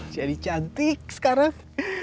jadi cantik sekarang